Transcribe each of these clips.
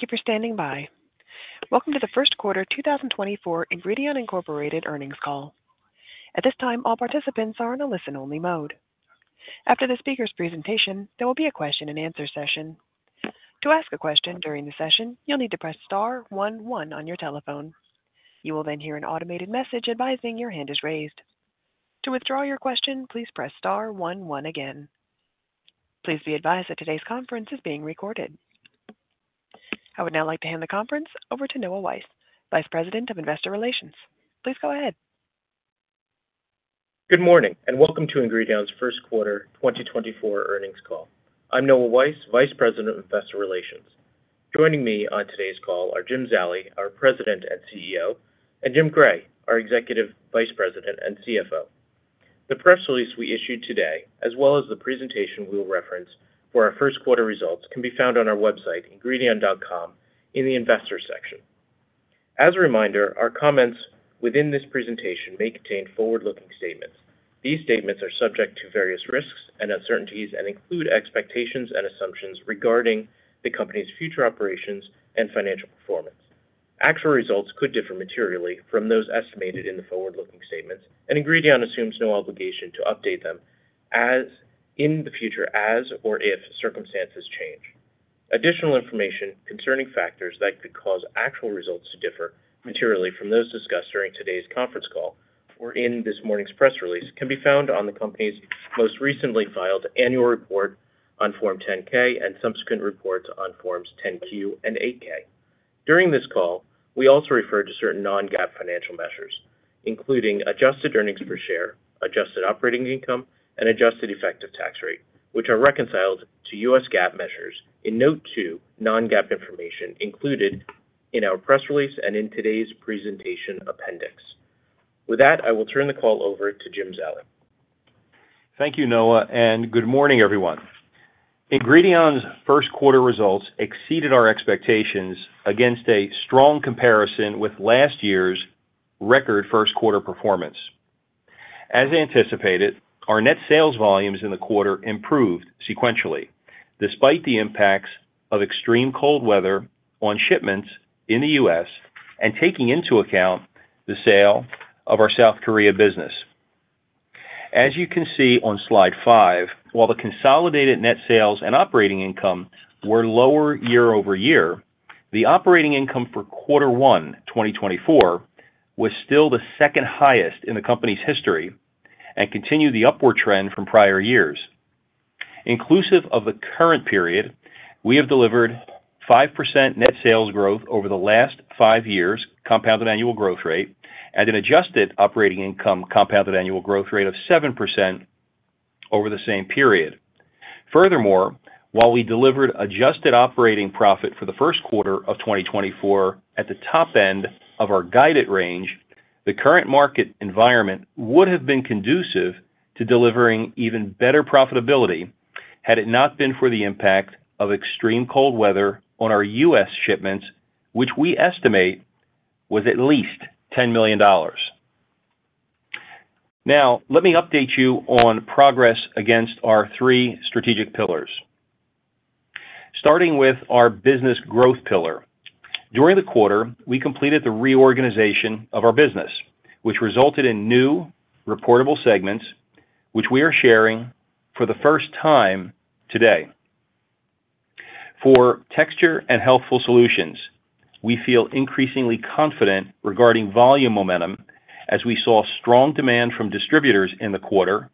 Thank you for standing by. Welcome to the first quarter 2024 Ingredion Incorporated earnings call. At this time, all participants are in a listen-only mode. After the speaker's presentation, there will be a question-and-answer session. To ask a question during the session, you'll need to press star 11 on your telephone. You will then hear an automated message phasing your hand is raised. To withdraw your question, please press star 11 again. Please be advised that today's conference is being recorded. I would now like to hand the conference over to Noah Weiss, Vice President of Investor Relations. Please go ahead. Good morning and welcome to Ingredion's first quarter 2024 earnings call. I'm Noah Weiss, Vice President of Investor Relations. Joining me on today's call are Jim Zallie, our President and CEO, and Jim Gray, our Executive Vice President and CFO. The press release we issued today, as well as the presentation we'll reference for our first quarter results, can be found on our website, ingredion.com, in the Investors section. As a reminder, our comments within this presentation may contain forward-looking statements. These statements are subject to various risks and uncertainties and include expectations and assumptions regarding the company's future operations and financial performance. Actual results could differ materially from those estimated in the forward-looking statements, and Ingredion assumes no obligation to update them in the future as or if circumstances change. Additional information concerning factors that could cause actual results to differ materially from those discussed during today's conference call or in this morning's press release can be found on the company's most recently filed annual report on Form 10-K and subsequent reports on Forms 10-Q and 8-K. During this call, we also refer to certain non-GAAP financial measures, including adjusted earnings per share, adjusted operating income, and adjusted effective tax rate, which are reconciled to U.S. GAAP measures in Note 2 non-GAAP information included in our press release and in today's presentation appendix. With that, I will turn the call over to Jim Zallie. Thank you, Noah, and good morning, everyone. Ingredion's first quarter results exceeded our expectations against a strong comparison with last year's record first quarter performance. As anticipated, our net sales volumes in the quarter improved sequentially despite the impacts of extreme cold weather on shipments in the U.S. and taking into account the sale of our South Korea business. As you can see on slide 5, while the consolidated net sales and operating income were lower year over year, the operating income for quarter 1 2024 was still the second highest in the company's history and continued the upward trend from prior years. Inclusive of the current period, we have delivered 5% net sales growth over the last 5 years compounded annual growth rate and an adjusted operating income compounded annual growth rate of 7% over the same period. Furthermore, while we delivered adjusted operating profit for the first quarter of 2024 at the top end of our guided range, the current market environment would have been conducive to delivering even better profitability had it not been for the impact of extreme cold weather on our U.S. shipments, which we estimate was at least $10 million. Now, let me update you on progress against our three strategic pillars. Starting with our business growth pillar, during the quarter, we completed the reorganization of our business, which resulted in new reportable segments, which we are sharing for the first time today. For Texture & Healthful Solutions, we feel increasingly confident regarding volume momentum as we saw strong demand from distributors in the quarter,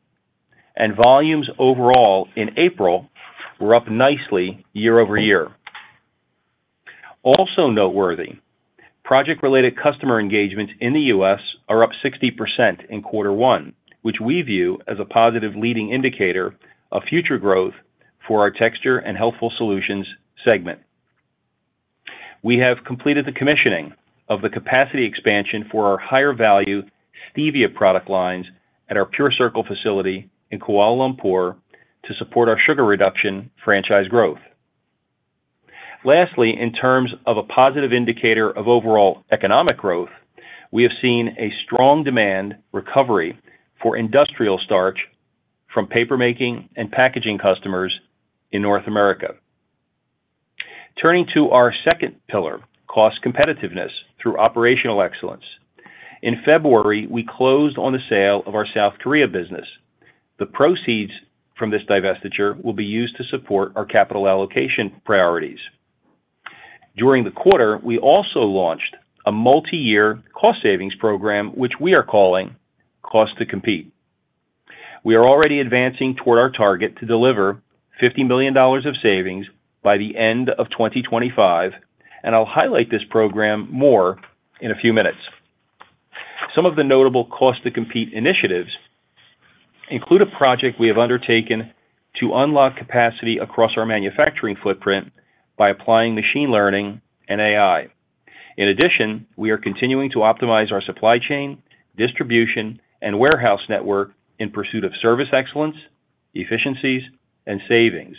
and volumes overall in April were up nicely year-over-year. Also noteworthy, project-related customer engagements in the U.S. are up 60% in quarter 1, which we view as a positive leading indicator of future growth for our Texture & Healthful Solutions segment. We have completed the commissioning of the capacity expansion for our higher-value stevia product lines at our PureCircle facility in Kuala Lumpur to support our sugar reduction franchise growth. Lastly, in terms of a positive indicator of overall economic growth, we have seen a strong demand recovery for industrial starch from papermaking and packaging customers in North America. Turning to our second pillar, cost competitiveness through operational excellence. In February, we closed on the sale of our South Korea business. The proceeds from this divestiture will be used to support our capital allocation priorities. During the quarter, we also launched a multi-year cost savings program, which we are calling Cost to Compete. We are already advancing toward our target to deliver $50 million of savings by the end of 2025, and I'll highlight this program more in a few minutes. Some of the notable Cost to Compete initiatives include a project we have undertaken to unlock capacity across our manufacturing footprint by applying machine learning and AI. In addition, we are continuing to optimize our supply chain, distribution, and warehouse network in pursuit of service excellence, efficiencies, and savings.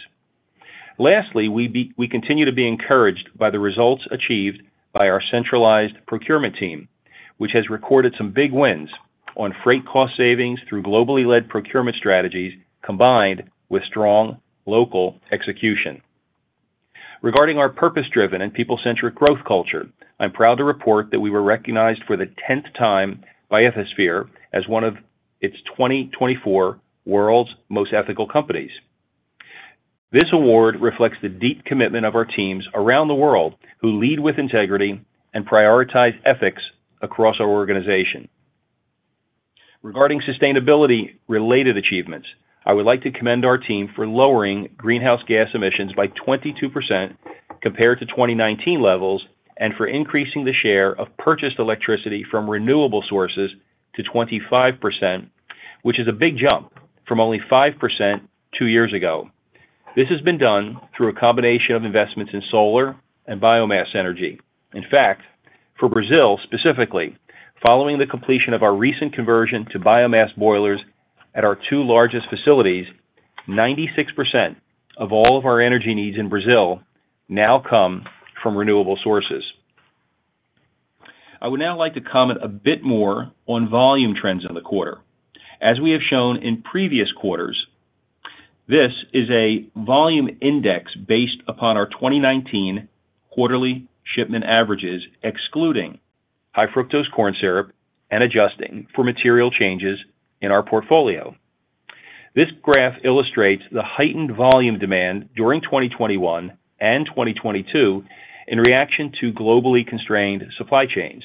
Lastly, we continue to be encouraged by the results achieved by our centralized procurement team, which has recorded some big wins on freight cost savings through globally-led procurement strategies combined with strong local execution. Regarding our purpose-driven and people-centric growth culture, I'm proud to report that we were recognized for the 10th time by Ethisphere as one of its 2024 World's Most Ethical Companies. This award reflects the deep commitment of our teams around the world who lead with integrity and prioritize ethics across our organization. Regarding sustainability-related achievements, I would like to commend our team for lowering greenhouse gas emissions by 22% compared to 2019 levels and for increasing the share of purchased electricity from renewable sources to 25%, which is a big jump from only 5% two years ago. This has been done through a combination of investments in solar and biomass energy. In fact, for Brazil specifically, following the completion of our recent conversion to biomass boilers at our two largest facilities, 96% of all of our energy needs in Brazil now come from renewable sources. I would now like to comment a bit more on volume trends in the quarter. As we have shown in previous quarters, this is a volume index based upon our 2019 quarterly shipment averages excluding high-fructose corn syrup and adjusting for material changes in our portfolio. This graph illustrates the heightened volume demand during 2021 and 2022 in reaction to globally constrained supply chains.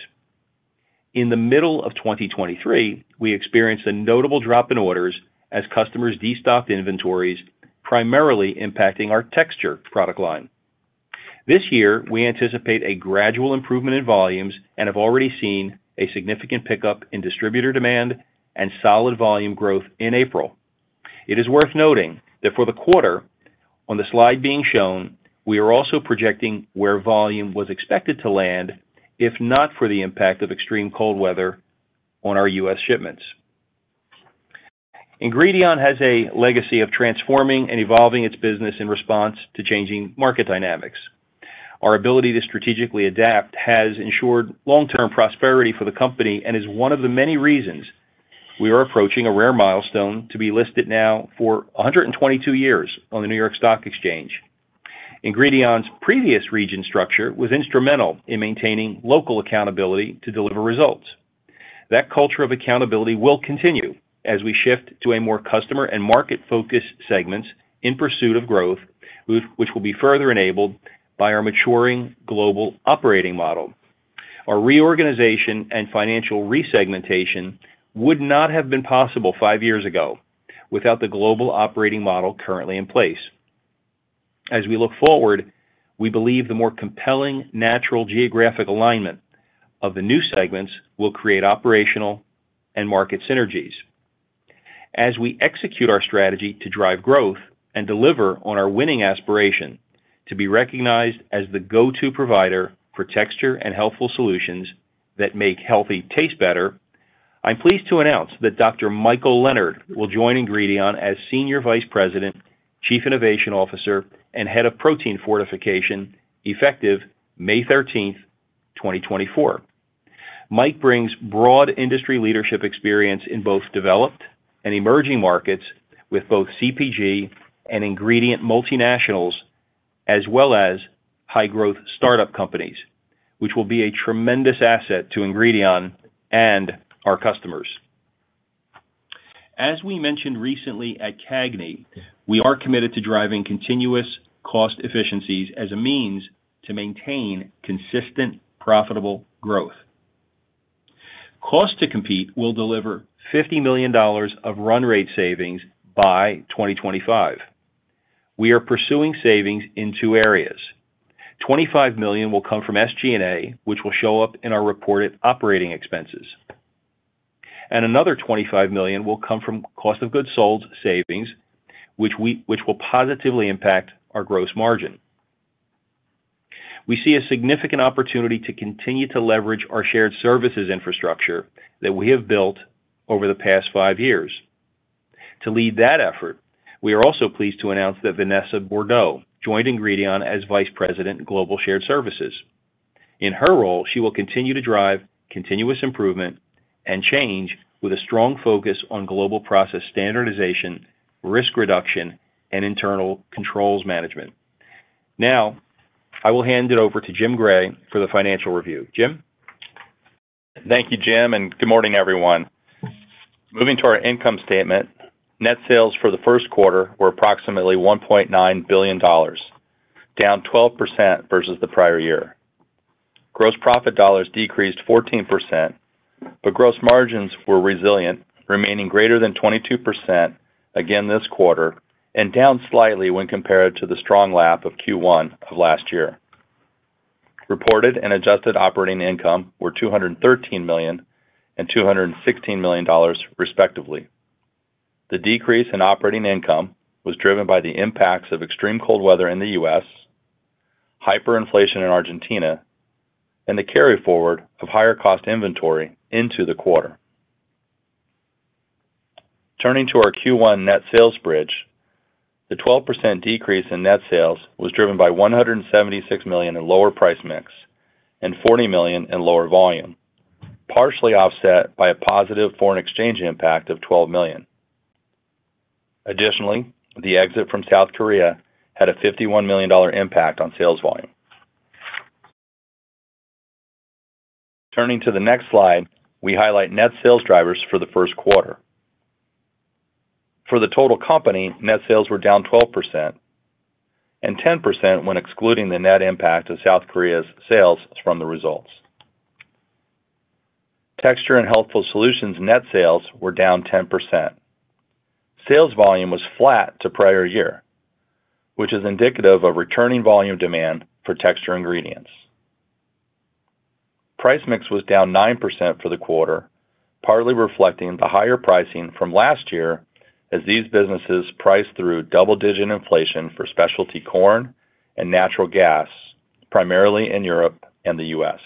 In the middle of 2023, we experienced a notable drop in orders as customers destocked inventories, primarily impacting our Texture product line. This year, we anticipate a gradual improvement in volumes and have already seen a significant pickup in distributor demand and solid volume growth in April. It is worth noting that for the quarter on the slide being shown, we are also projecting where volume was expected to land if not for the impact of extreme cold weather on our U.S. shipments. Ingredion has a legacy of transforming and evolving its business in response to changing market dynamics. Our ability to strategically adapt has ensured long-term prosperity for the company and is one of the many reasons we are approaching a rare milestone to be listed now for 122 years on the New York Stock Exchange. Ingredion's previous region structure was instrumental in maintaining local accountability to deliver results. That culture of accountability will continue as we shift to a more customer and market-focused segments in pursuit of growth, which will be further enabled by our maturing global operating model. Our reorganization and financial resegmentation would not have been possible five years ago without the global operating model currently in place. As we look forward, we believe the more compelling natural geographic alignment of the new segments will create operational and market synergies. As we execute our strategy to drive growth and deliver on our winning aspiration to be recognized as the go-to provider for Texture & Healthful Solutions that make healthy taste better, I'm pleased to announce that Dr. Michael Leonard will join Ingredion as Senior Vice President, Chief Innovation Officer, and Head of Protein Fortification effective May 13th, 2024. Mike brings broad industry leadership experience in both developed and emerging markets with both CPG and ingredient multinationals, as well as high-growth startup companies, which will be a tremendous asset to Ingredion and our customers. As we mentioned recently at CAGNY, we are committed to driving continuous cost efficiencies as a means to maintain consistent profitable growth. Cost to Compete will deliver $50 million of run rate savings by 2025. We are pursuing savings in two areas. $25 million will come from SG&A, which will show up in our reported operating expenses, and another $25 million will come from cost of goods sold savings, which will positively impact our gross margin. We see a significant opportunity to continue to leverage our shared services infrastructure that we have built over the past five years. To lead that effort, we are also pleased to announce that Vanessa Bourdeau joined Ingredion as Vice President Global Shared Services. In her role, she will continue to drive continuous improvement and change with a strong focus on global process standardization, risk reduction, and internal controls management. Now, I will hand it over to Jim Gray for the financial review. Jim? Thank you, Jim, and good morning, everyone. Moving to our income statement, net sales for the first quarter were approximately $1.9 billion, down 12% versus the prior year. Gross profit dollars decreased 14%, but gross margins were resilient, remaining greater than 22% again this quarter and down slightly when compared to the strong lap of Q1 of last year. Reported and adjusted operating income were $213 million and $216 million, respectively. The decrease in operating income was driven by the impacts of extreme cold weather in the U.S., hyperinflation in Argentina, and the carryforward of higher-cost inventory into the quarter. Turning to our Q1 net sales bridge, the 12% decrease in net sales was driven by $176 million in lower price mix and $40 million in lower volume, partially offset by a positive foreign exchange impact of $12 million. Additionally, the exit from South Korea had a $51 million impact on sales volume. Turning to the next slide, we highlight net sales drivers for the first quarter. For the total company, net sales were down 12% and 10% when excluding the net impact of South Korea's sales from the results. Texture & Healthful Solutions net sales were down 10%. Sales volume was flat to prior year, which is indicative of returning volume demand for Texture ingredients. Price mix was down 9% for the quarter, partly reflecting the higher pricing from last year as these businesses priced through double-digit inflation for specialty corn and natural gas, primarily in Europe and the U.S.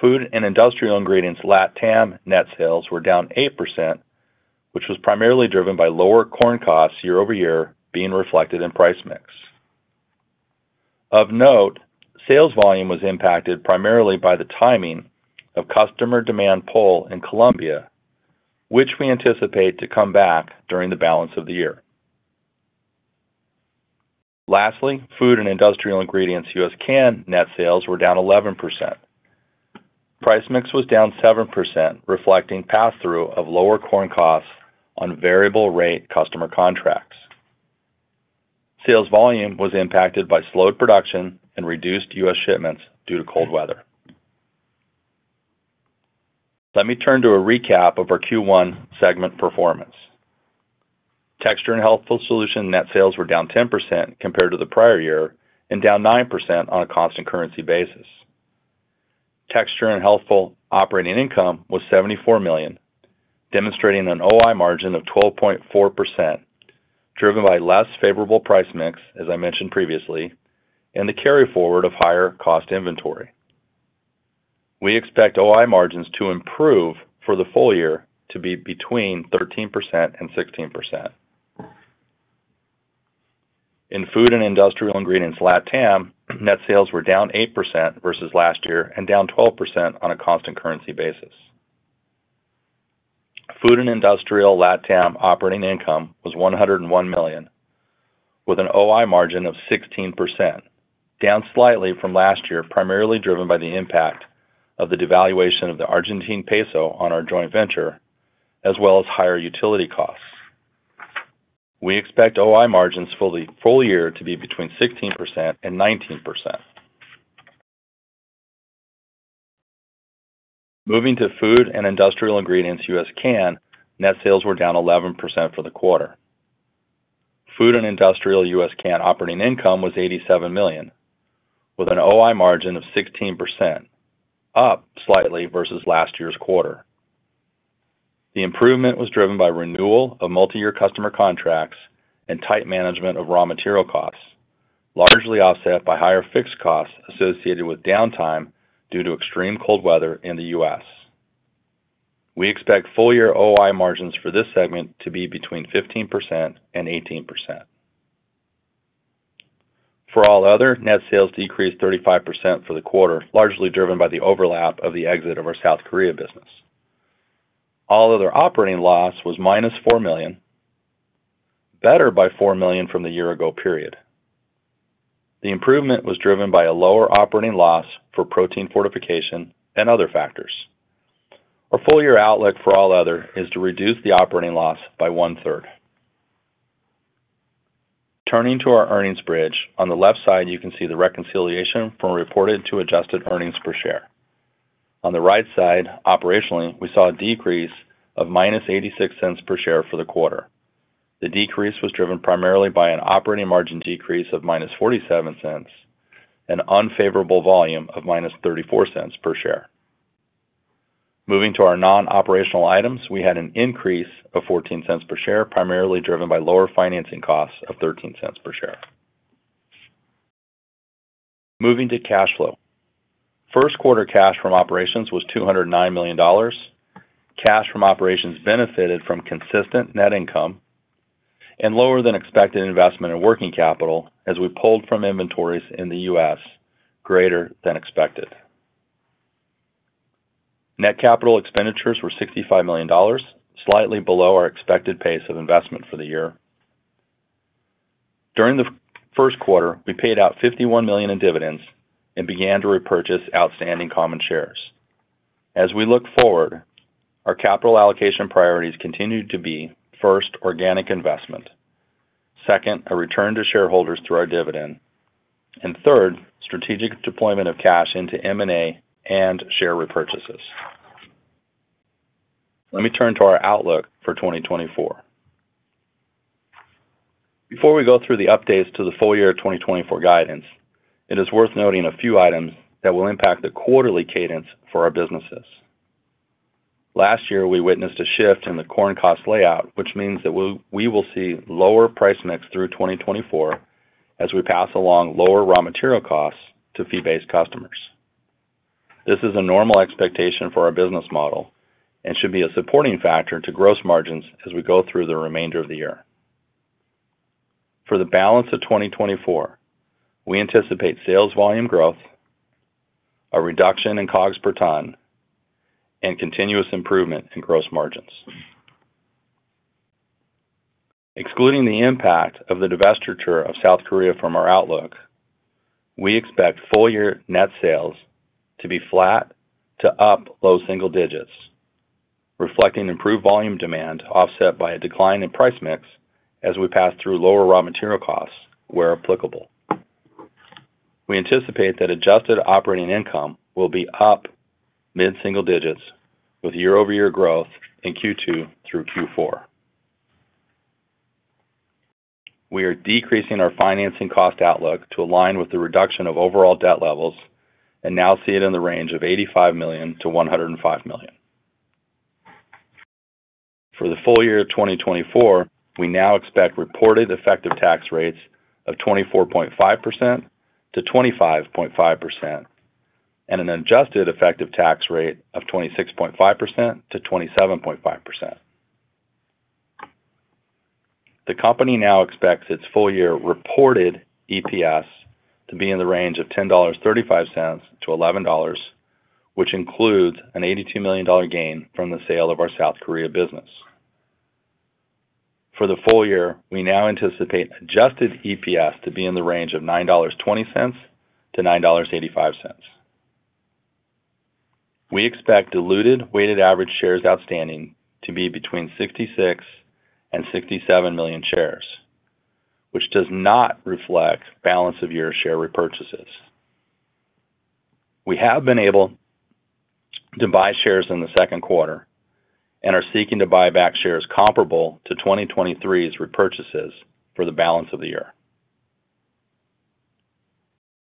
Food & Industrial Ingredients LatAm net sales were down 8%, which was primarily driven by lower corn costs year over year being reflected in price mix. Of note, sales volume was impacted primarily by the timing of customer demand pull in Colombia, which we anticipate to come back during the balance of the year. Lastly, Food & Industrial Ingredients U.S./Canada net sales were down 11%. Price mix was down 7%, reflecting pass-through of lower corn costs on variable-rate customer contracts. Sales volume was impacted by slowed production and reduced U.S. shipments due to cold weather. Let me turn to a recap of our Q1 segment performance. Texture & Healthful Solutions net sales were down 10% compared to the prior year and down 9% on a constant currency basis. Texture & Healthful Solutions operating income was $74 million, demonstrating an OI margin of 12.4% driven by less favorable price mix, as I mentioned previously, and the carryforward of higher-cost inventory. We expect OI margins to improve for the full year to be between 13% and 16%. In Food & Industrial Ingredients LatAm net sales were down 8% versus last year and down 12% on a constant currency basis. Food & Industrial Ingredients LatAm operating income was $101 million with an OI margin of 16%, down slightly from last year, primarily driven by the impact of the devaluation of the Argentine peso on our joint venture as well as higher utility costs. We expect OI margins for the full year to be between 16%-19%. Moving to Food & Industrial Ingredients U.S./Canada net sales were down 11% for the quarter. Food & Industrial Ingredients U.S./Canada operating income was $87 million with an OI margin of 16%, up slightly versus last year's quarter. The improvement was driven by renewal of multi-year customer contracts and tight management of raw material costs, largely offset by higher fixed costs associated with downtime due to extreme cold weather in the U.S. We expect full-year OI margins for this segment to be between 15%-18%. For All Other, net sales decreased 35% for the quarter, largely driven by the overlap of the exit of our South Korea business. All Other operating loss was -$4 million, better by $4 million from the year-ago period. The improvement was driven by a lower operating loss for protein fortification and other factors. Our full-year outlook for All Other is to reduce the operating loss by one-third. Turning to our earnings bridge, on the left side, you can see the reconciliation from reported to adjusted earnings per share. On the right side, operationally, we saw a decrease of -$0.86 per share for the quarter. The decrease was driven primarily by an operating margin decrease of -$0.47 and unfavorable volume of -$0.34 per share. Moving to our non-operational items, we had an increase of $0.14 per share, primarily driven by lower financing costs of $0.13 per share. Moving to cash flow. First quarter cash from operations was $209 million. Cash from operations benefited from consistent net income and lower-than-expected investment in working capital as we pulled from inventories in the U.S. greater than expected. Net capital expenditures were $65 million, slightly below our expected pace of investment for the year. During the first quarter, we paid out $51 million in dividends and began to repurchase outstanding common shares. As we look forward, our capital allocation priorities continue to be, first, organic investment; second, a return to shareholders through our dividend; and third, strategic deployment of cash into M&A and share repurchases. Let me turn to our outlook for 2024. Before we go through the updates to the full-year 2024 guidance, it is worth noting a few items that will impact the quarterly cadence for our businesses. Last year, we witnessed a shift in the corn cost layout, which means that we will see lower price mix through 2024 as we pass along lower raw material costs to fee-based customers. This is a normal expectation for our business model and should be a supporting factor to gross margins as we go through the remainder of the year. For the balance of 2024, we anticipate sales volume growth, a reduction in COGS per ton, and continuous improvement in gross margins. Excluding the impact of the divestiture of South Korea from our outlook, we expect full-year net sales to be flat to up low single digits, reflecting improved volume demand offset by a decline in price mix as we pass through lower raw material costs where applicable. We anticipate that adjusted operating income will be up mid-single digits with year-over-year growth in Q2 through Q4. We are decreasing our financing cost outlook to align with the reduction of overall debt levels and now see it in the range of $85 million-$105 million. For the full year of 2024, we now expect reported effective tax rates of 24.5%-25.5% and an adjusted effective tax rate of 26.5%-27.5%. The company now expects its full-year reported EPS to be in the range of $10.35-$11, which includes an $82 million gain from the sale of our South Korea business. For the full year, we now anticipate adjusted EPS to be in the range of $9.20-$9.85. We expect diluted weighted average shares outstanding to be between 66 and 67 million shares, which does not reflect balance of year share repurchases. We have been able to buy shares in the second quarter and are seeking to buy back shares comparable to 2023's repurchases for the balance of the year.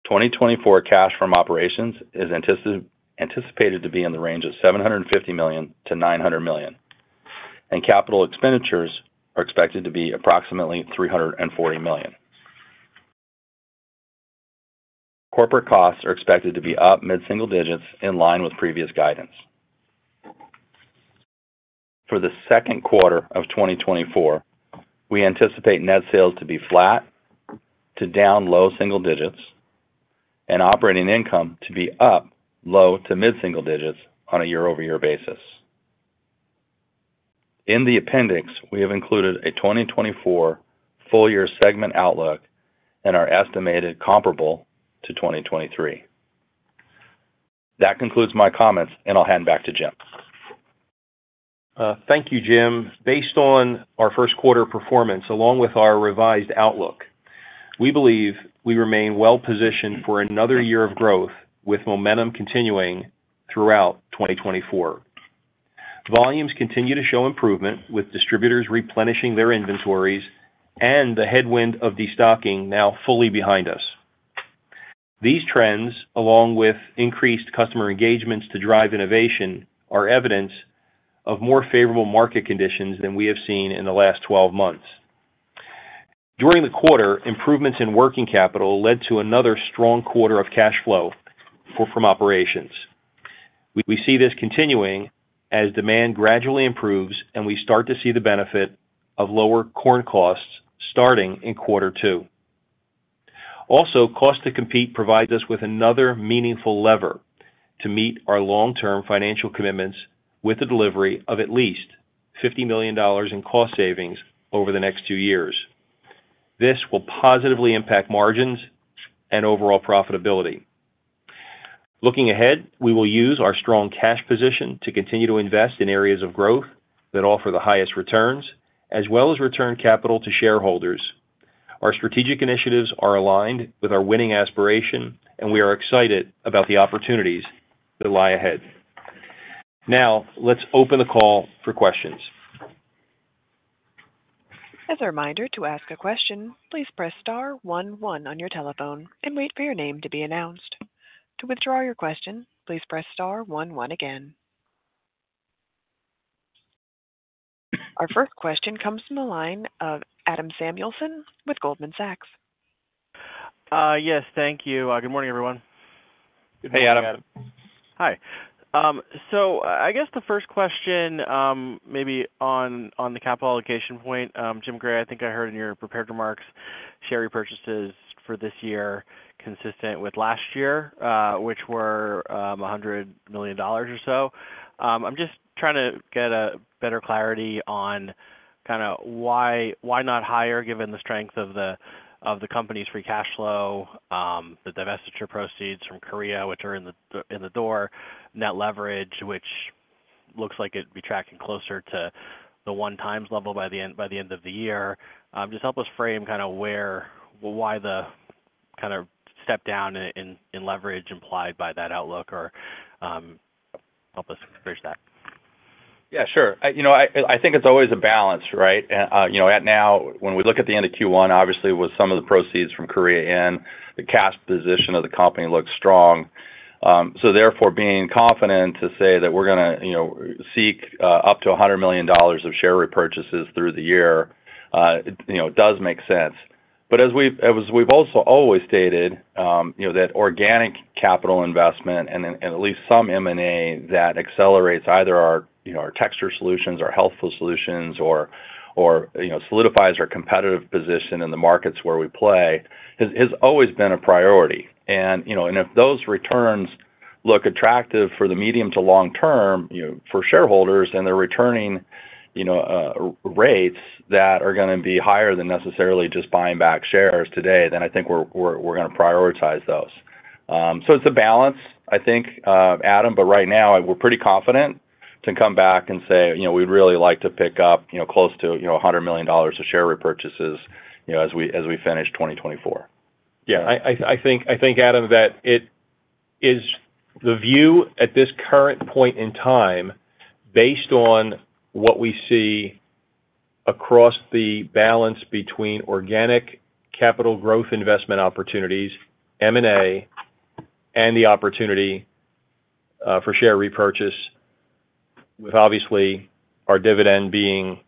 2024 cash from operations is anticipated to be in the range of $750 million-$900 million, and capital expenditures are expected to be approximately $340 million. Corporate costs are expected to be up mid-single digits in line with previous guidance. For the second quarter of 2024, we anticipate net sales to be flat to down low single digits and operating income to be up low to mid-single digits on a year-over-year basis. In the appendix, we have included a 2024 full-year segment outlook and our estimated comparable to 2023. That concludes my comments, and I'll hand back to Jim. Thank you, Jim. Based on our first quarter performance along with our revised outlook, we believe we remain well-positioned for another year of growth with momentum continuing throughout 2024. Volumes continue to show improvement with distributors replenishing their inventories and the headwind of destocking now fully behind us. These trends, along with increased customer engagements to drive innovation, are evidence of more favorable market conditions than we have seen in the last 12 months. During the quarter, improvements in working capital led to another strong quarter of cash flow from operations. We see this continuing as demand gradually improves, and we start to see the benefit of lower corn costs starting in quarter two. Also, Cost to Compete provides us with another meaningful lever to meet our long-term financial commitments with the delivery of at least $50 million in cost savings over the next two years. This will positively impact margins and overall profitability. Looking ahead, we will use our strong cash position to continue to invest in areas of growth that offer the highest returns as well as return capital to shareholders. Our strategic initiatives are aligned with our winning aspiration, and we are excited about the opportunities that lie ahead. Now, let's open the call for questions. As a reminder, to ask a question, please press star 11 on your telephone and wait for your name to be announced. To withdraw your question, please press star 11 again. Our first question comes from the line of Adam Samuelson with Goldman Sachs. Yes. Thank you. Good morning, everyone. Hey, Adam. Hi. So I guess the first question maybe on the capital allocation point, Jim Gray. I think I heard in your prepared remarks share repurchases for this year consistent with last year, which were $100 million or so. I'm just trying to get better clarity on kind of why not higher given the strength of the company's free cash flow, the divestiture proceeds from Korea, which are in the door, net leverage, which looks like it'd be tracking closer to the one-times level by the end of the year. Just help us frame kind of why the kind of step down in leverage implied by that outlook or help us bridge that. Yeah. Sure. I think it's always a balance, right? And now, when we look at the end of Q1, obviously, with some of the proceeds from Korea in, the cash position of the company looks strong. So therefore, being confident to say that we're going to seek up to $100 million of share repurchases through the year does make sense. But as we've also always stated, that organic capital investment and at least some M&A that accelerates either our Texture Solutions, our Healthful Solutions, or solidifies our competitive position in the markets where we play has always been a priority. And if those returns look attractive for the medium to long term for shareholders and they're returning rates that are going to be higher than necessarily just buying back shares today, then I think we're going to prioritize those. So it's a balance, I think, Adam. Right now, we're pretty confident to come back and say we'd really like to pick up close to $100 million of share repurchases as we finish 2024. Yeah. I think, Adam, that it is the view at this current point in time based on what we see across the balance between organic capital growth investment opportunities, M&A, and the opportunity for share repurchase with, obviously, our dividend being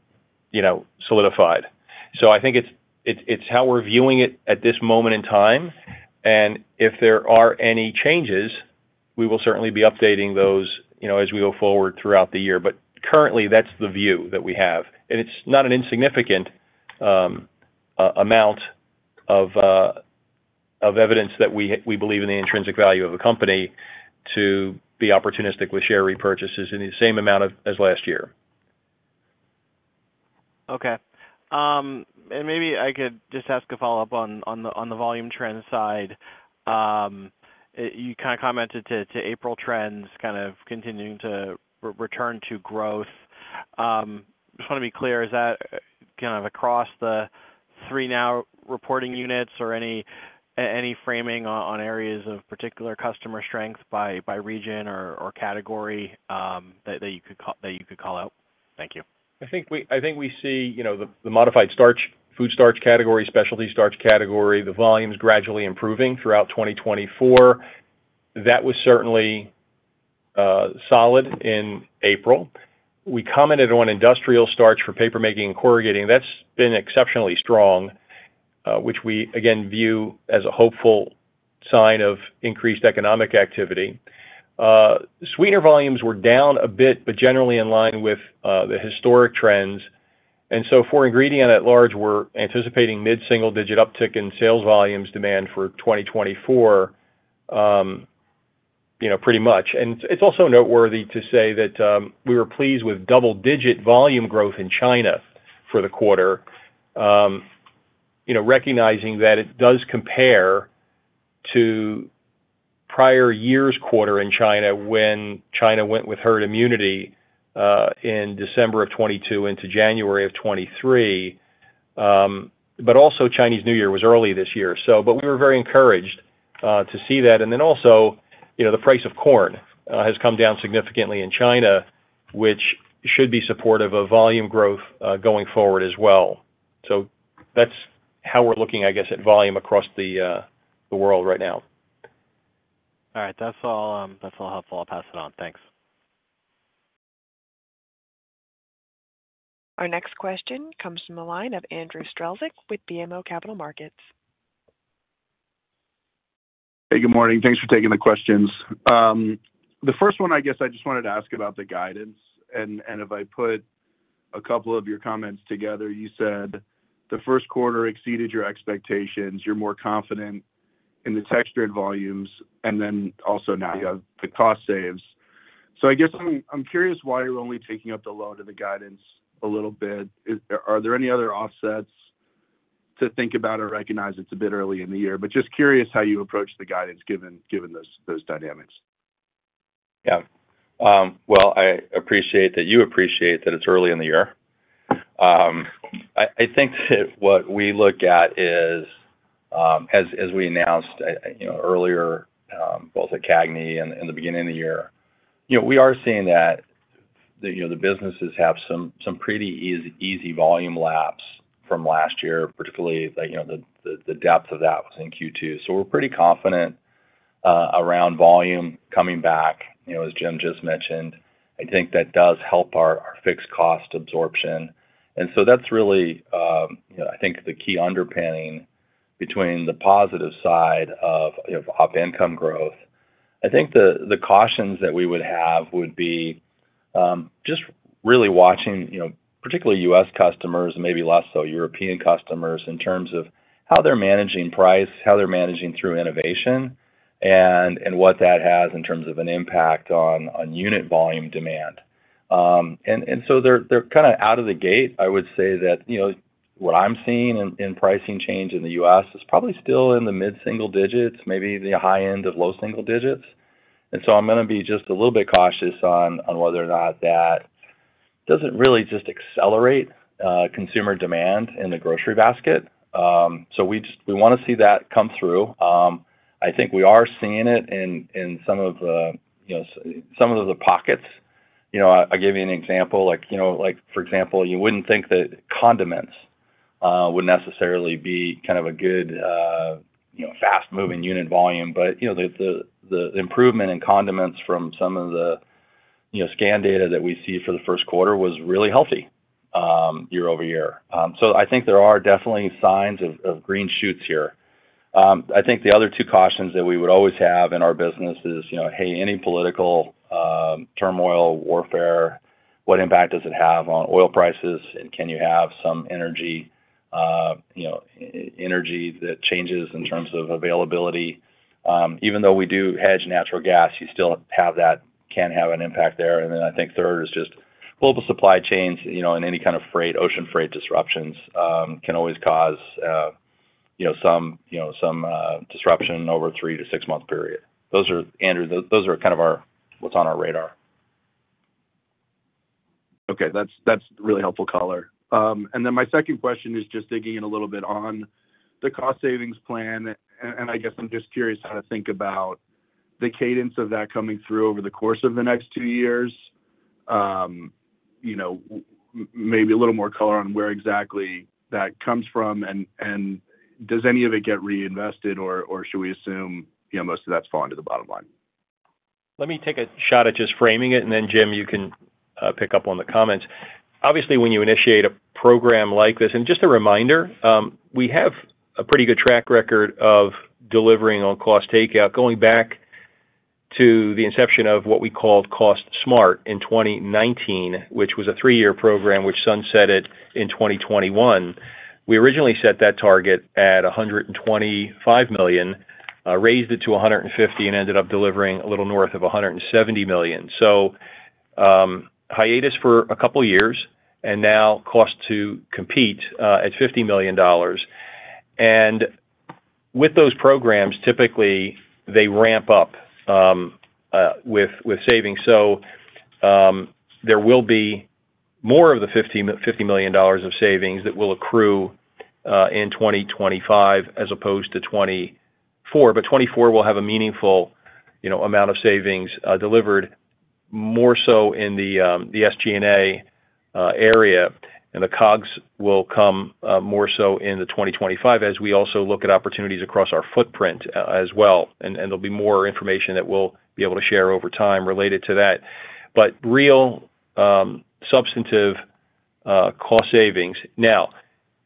solidified. So I think it's how we're viewing it at this moment in time. And if there are any changes, we will certainly be updating those as we go forward throughout the year. But currently, that's the view that we have. And it's not an insignificant amount of evidence that we believe in the intrinsic value of a company to be opportunistic with share repurchases in the same amount as last year. Okay. Maybe I could just ask a follow-up on the volume trend side. You kind of commented on April trends kind of continuing to return to growth. I just want to be clear, is that kind of across the three new reporting units or any framing on areas of particular customer strength by region or category that you could call out? Thank you. I think we see the modified starch, food starch category, specialty starch category, the volumes gradually improving throughout 2024. That was certainly solid in April. We commented on industrial starch for papermaking and corrugating. That's been exceptionally strong, which we, again, view as a hopeful sign of increased economic activity. Sweetener volumes were down a bit but generally in line with the historic trends. And so for ingredients at large, we're anticipating mid-single digit uptick in sales volumes demand for 2024 pretty much. And it's also noteworthy to say that we were pleased with double-digit volume growth in China for the quarter, recognizing that it does compare to prior year's quarter in China when China went with herd immunity in December of 2022 into January of 2023. But also, Chinese New Year was early this year. But we were very encouraged to see that. And then also, the price of corn has come down significantly in China, which should be supportive of volume growth going forward as well. So that's how we're looking, I guess, at volume across the world right now. All right. That's all helpful. I'll pass it on. Thanks. Our next question comes from the line of Andrew Strelzik with BMO Capital Markets. Hey. Good morning. Thanks for taking the questions. The first one, I guess, I just wanted to ask about the guidance. If I put a couple of your comments together, you said the first quarter exceeded your expectations. You're more confident in the texture and volumes. Then also now you have the cost saves. So I guess I'm curious why you're only taking up the load of the guidance a little bit. Are there any other offsets to think about or recognize it's a bit early in the year? Just curious how you approach the guidance given those dynamics. Yeah. Well, you appreciate that it's early in the year. I think that what we look at is, as we announced earlier, both at CAGNY and in the beginning of the year, we are seeing that the businesses have some pretty easy volume laps from last year, particularly the depth of that was in Q2. So we're pretty confident around volume coming back, as Jim just mentioned. I think that does help our fixed cost absorption. And so that's really, I think, the key underpinning between the positive side of op income growth. I think the cautions that we would have would be just really watching, particularly U.S. customers and maybe less so European customers in terms of how they're managing price, how they're managing through innovation, and what that has in terms of an impact on unit volume demand. And so they're kind of out of the gate, I would say, that what I'm seeing in pricing change in the U.S. is probably still in the mid-single digits, maybe the high end of low-single digits. And so I'm going to be just a little bit cautious on whether or not that doesn't really just accelerate consumer demand in the grocery basket. So we want to see that come through. I think we are seeing it in some of the pockets. I'll give you an example. For example, you wouldn't think that condiments would necessarily be kind of a good fast-moving unit volume. But the improvement in condiments from some of the scan data that we see for the first quarter was really healthy year-over-year. So I think there are definitely signs of green shoots here. I think the other two cautions that we would always have in our business is, hey, any political turmoil, warfare, what impact does it have on oil prices, and can you have some energy that changes in terms of availability? Even though we do hedge natural gas, you still can have an impact there. And then I think third is just global supply chains and any kind of ocean freight disruptions can always cause some disruption over a 3-6-month period. Andrew, those are kind of what's on our radar. Okay. That's a really helpful color. And then my second question is just digging in a little bit on the cost savings plan. And I guess I'm just curious how to think about the cadence of that coming through over the course of the next two years, maybe a little more color on where exactly that comes from. And does any of it get reinvested, or should we assume most of that's fallen to the bottom line? Let me take a shot at just framing it, and then, Jim, you can pick up on the comments. Obviously, when you initiate a program like this and just a reminder, we have a pretty good track record of delivering on cost takeout. Going back to the inception of what we called Cost Smart in 2019, which was a three-year program, which sunset it in 2021, we originally set that target at $125 million, raised it to $150 million, and ended up delivering a little north of $170 million. So hiatus for a couple of years, and now Cost to Compete at $50 million. And with those programs, typically, they ramp up with savings. So there will be more of the $50 million of savings that will accrue in 2025 as opposed to 2024. But 2024 will have a meaningful amount of savings delivered more so in the SG&A area. The COGS will come more so in 2025 as we also look at opportunities across our footprint as well. There'll be more information that we'll be able to share over time related to that. Real substantive cost savings. Now,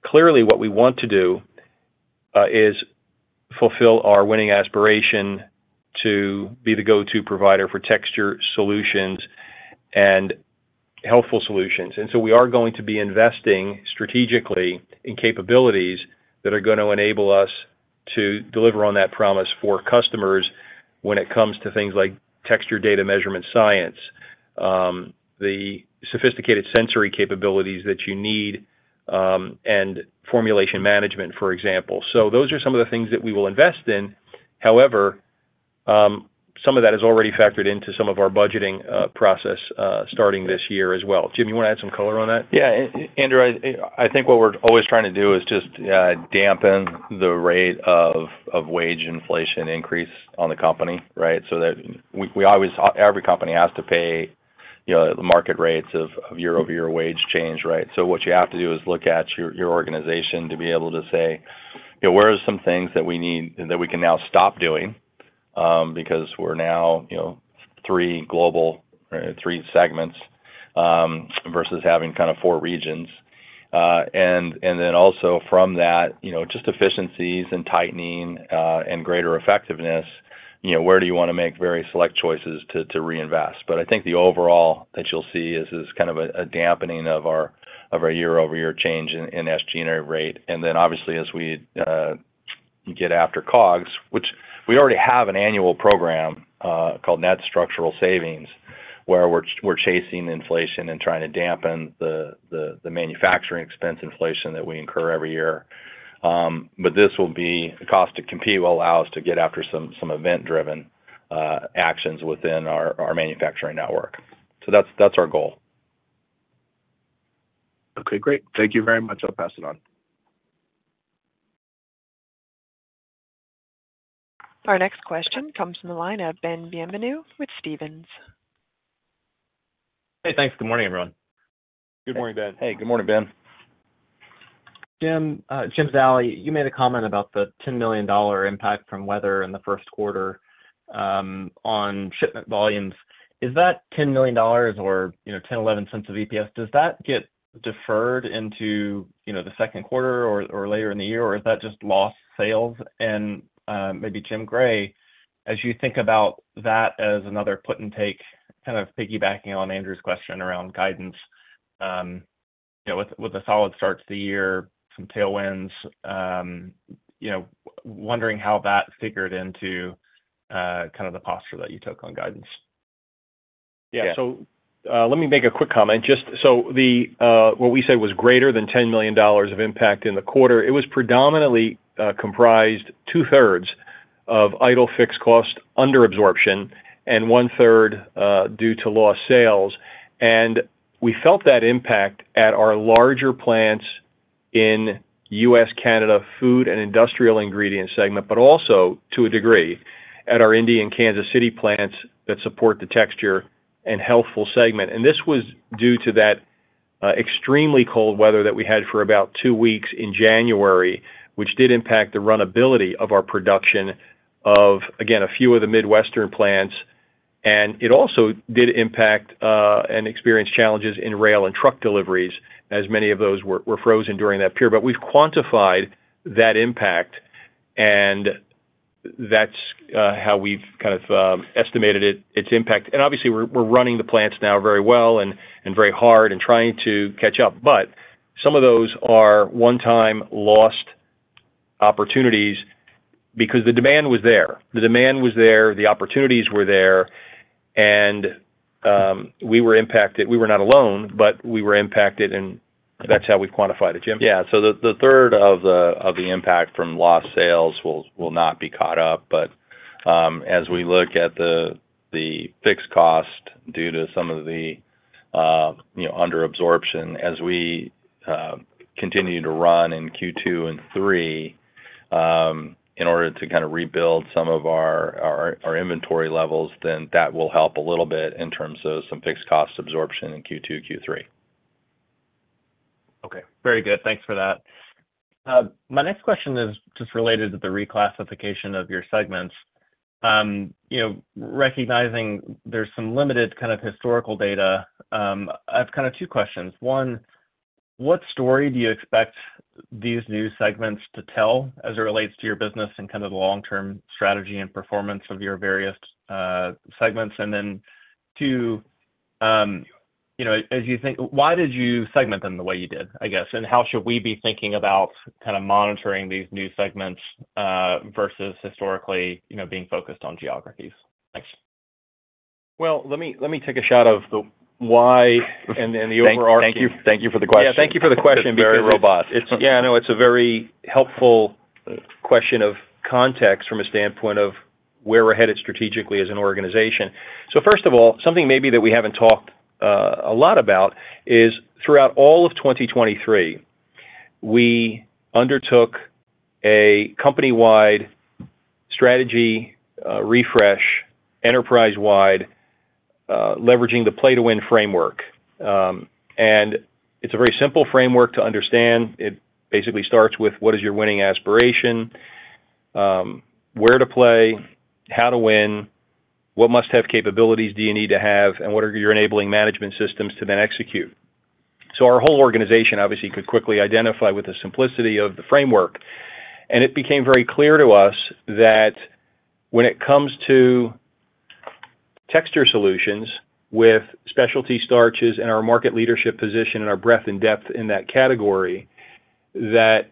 clearly, what we want to do is fulfill our winning aspiration to be the go-to provider for Texture Solutions and Healthful Solutions. So we are going to be investing strategically in capabilities that are going to enable us to deliver on that promise for customers when it comes to things like texture data measurement science, the sophisticated sensory capabilities that you need, and formulation management, for example. Those are some of the things that we will invest in. However, some of that is already factored into some of our budgeting process starting this year as well. Jim, you want to add some color on that? Yeah. Andrew, I think what we're always trying to do is just dampen the rate of wage inflation increase on the company, right? So every company has to pay the market rates of year-over-year wage change, right? So what you have to do is look at your organization to be able to say, "Where are some things that we can now stop doing because we're now three global or three segments versus having kind of four regions?" And then also from that, just efficiencies and tightening and greater effectiveness, where do you want to make very select choices to reinvest? But I think the overall that you'll see is kind of a dampening of our year-over-year change in SG&A rate. And then, obviously, as we get after COGS, which we already have an annual program called Net Structural Savings where we're chasing inflation and trying to dampen the manufacturing expense inflation that we incur every year. But this will be a Cost to Compete will allow us to get after some event-driven actions within our manufacturing network. So that's our goal. Okay. Great. Thank you very much. I'll pass it on. Our next question comes from the line of Ben Bienvenu with Stephens. Hey. Thanks. Good morning, everyone. Good morning, Ben. Hey. Good morning, Ben. Jim, Jim Zallie, you made a comment about the $10 million impact from weather in the first quarter on shipment volumes. Is that $10 million or 10 or 11 cents of EPS, does that get deferred into the second quarter or later in the year, or is that just lost sales? And maybe, Jim Gray, as you think about that as another put-and-take, kind of piggybacking on Andrew's question around guidance with a solid start to the year, some tailwinds, wondering how that figured into kind of the posture that you took on guidance. Yeah. So let me make a quick comment. So what we said was greater than $10 million of impact in the quarter. It was predominantly comprised two-thirds of idle fixed cost underabsorption and one-third due to lost sales. And we felt that impact at our larger plants in U.S., Canada, Food and Industrial Ingredients segment, but also to a degree at our Indiana, Kansas City plants that support the Texture & Healthful Solutions segment. And this was due to that extremely cold weather that we had for about two weeks in January, which did impact the runability of our production of, again, a few of the Midwestern plants. And it also did impact and experience challenges in rail and truck deliveries as many of those were frozen during that period. But we've quantified that impact, and that's how we've kind of estimated its impact. Obviously, we're running the plants now very well and very hard and trying to catch up. Some of those are one-time lost opportunities because the demand was there. The demand was there. The opportunities were there. We were impacted. We were not alone, but we were impacted. That's how we've quantified it, Jim. Yeah. So the third of the impact from lost sales will not be caught up. But as we look at the fixed cost due to some of the underabsorption, as we continue to run in Q2 and Q3 in order to kind of rebuild some of our inventory levels, then that will help a little bit in terms of some fixed cost absorption in Q2, Q3. Okay. Very good. Thanks for that. My next question is just related to the reclassification of your segments. Recognizing there's some limited kind of historical data, I have kind of two questions. One, what story do you expect these new segments to tell as it relates to your business and kind of the long-term strategy and performance of your various segments? And then two, as you think, why did you segment them the way you did, I guess? And how should we be thinking about kind of monitoring these new segments versus historically being focused on geographies? Thanks. Well, let me take a shot at the why and the overarching. Thank you. Thank you for the question. Yeah. Thank you for the question. It's very robust. Yeah. I know. It's a very helpful question of context from a standpoint of where we're headed strategically as an organization. So first of all, something maybe that we haven't talked a lot about is throughout all of 2023, we undertook a company-wide strategy refresh, enterprise-wide, leveraging the Play to Win framework. It's a very simple framework to understand. It basically starts with, "What is your winning aspiration? Where to play? How to win? What must-have capabilities do you need to have, and what are your enabling management systems to then execute?" So our whole organization, obviously, could quickly identify with the simplicity of the framework. It became very clear to us that when it comes to Texture Solutions with specialty starches and our market leadership position and our breadth and depth in that category, that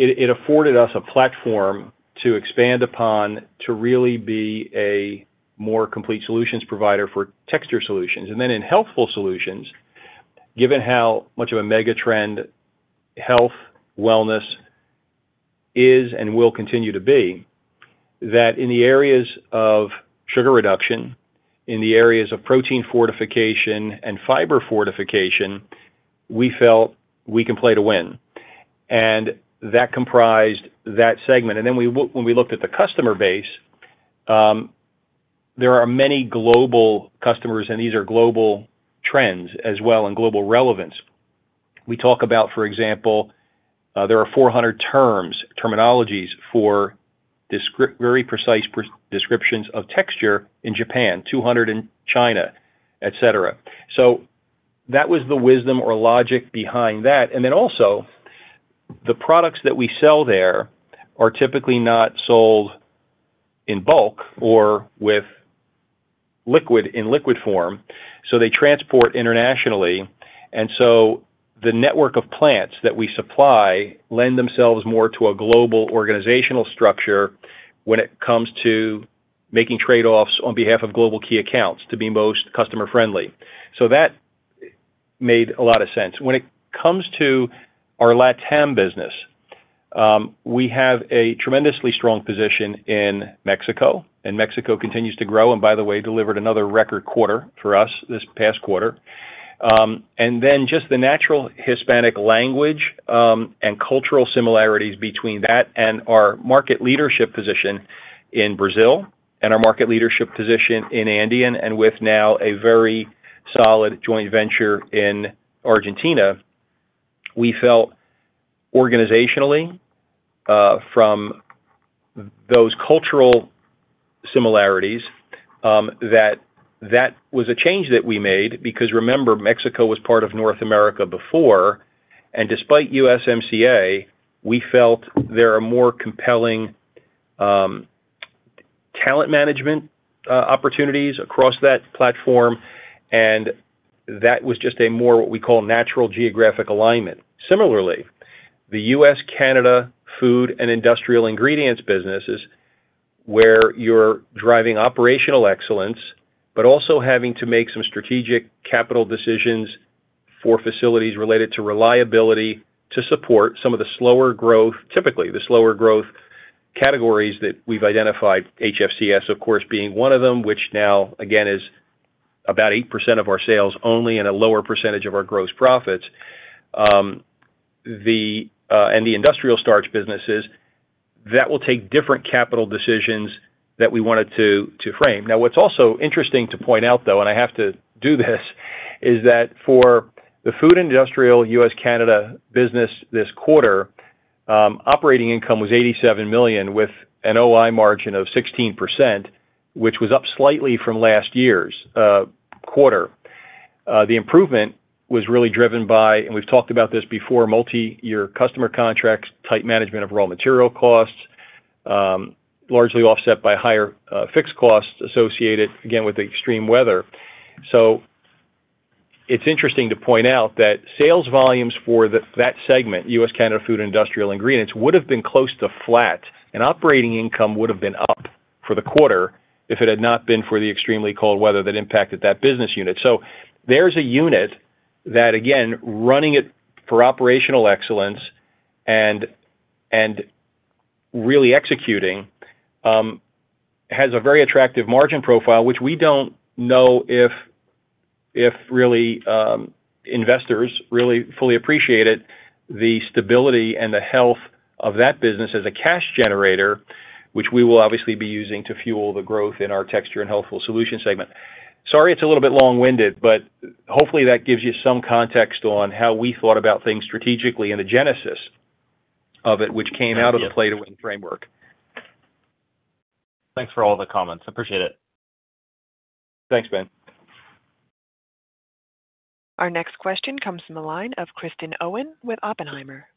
it afforded us a platform to expand upon to really be a more complete solutions provider for Texture Solutions. And then in Healthful Solutions, given how much of a mega-trend health, wellness is and will continue to be, that in the areas of sugar reduction, in the areas of protein fortification and fiber fortification, we felt we can play to win. And that comprised that segment. And then when we looked at the customer base, there are many global customers, and these are global trends as well and global relevance. We talk about, for example, there are 400 terms, terminologies for very precise descriptions of texture in Japan, 200 in China, etc. So that was the wisdom or logic behind that. And then also, the products that we sell there are typically not sold in bulk or in liquid form. So they transport internationally. And so the network of plants that we supply lend themselves more to a global organizational structure when it comes to making trade-offs on behalf of global key accounts to be most customer-friendly. So that made a lot of sense. When it comes to our LATAM business, we have a tremendously strong position in Mexico. And Mexico continues to grow and, by the way, delivered another record quarter for us this past quarter. And then just the natural Hispanic language and cultural similarities between that and our market leadership position in Brazil and our market leadership position in Andean and with now a very solid joint venture in Argentina, we felt organizationally from those cultural similarities that that was a change that we made because, remember, Mexico was part of North America before. Despite USMCA, we felt there are more compelling talent management opportunities across that platform. And that was just a more what we call natural geographic alignment. Similarly, the U.S., Canada, food and industrial ingredients businesses where you're driving operational excellence but also having to make some strategic capital decisions for facilities related to reliability to support some of the slower growth typically, the slower growth categories that we've identified, HFCS, of course, being one of them, which now, again, is about 8% of our sales only and a lower percentage of our gross profits, and the industrial starch businesses, that will take different capital decisions that we wanted to frame. Now, what's also interesting to point out, though, and I have to do this, is that for the food and industrial U.S., Canada business this quarter, operating income was $87 million with an OI margin of 16%, which was up slightly from last year's quarter. The improvement was really driven by, and we've talked about this before, multi-year customer contract type management of raw material costs largely offset by higher fixed costs associated, again, with extreme weather. So it's interesting to point out that sales volumes for that segment, U.S., Canada, Food and Industrial Ingredients, would have been close to flat. Operating income would have been up for the quarter if it had not been for the extremely cold weather that impacted that business unit. So there's a unit that, again, running it for operational excellence and really executing has a very attractive margin profile, which we don't know if really investors really fully appreciate it, the stability and the health of that business as a cash generator, which we will obviously be using to fuel the growth in our Texture & Healthful Solutions segment. Sorry, it's a little bit long-winded, but hopefully, that gives you some context on how we thought about things strategically and the genesis of it, which came out of the Play to Win framework. Thanks for all the comments. Appreciate it. Thanks, Ben. Our next question comes from the line of Kristen Owen with Oppenheimer.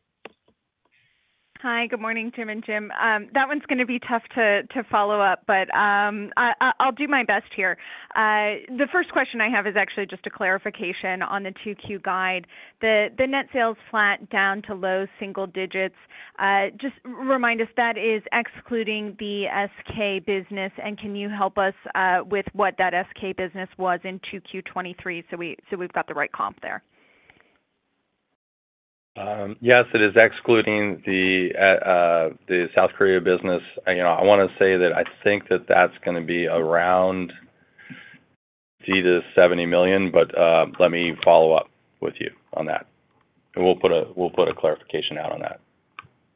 Hi. Good morning, Jim and Jim. That one's going to be tough to follow up, but I'll do my best here. The first question I have is actually just a clarification on the 2Q guide. The net sales flat down to low single digits. Just remind us, that is excluding the SK business. And can you help us with what that SK business was in 2Q23 so we've got the right comp there? Yes. It is excluding the South Korea business. I want to say that I think that that's going to be around $50 million-$70 million. But let me follow up with you on that. We'll put a clarification out on that.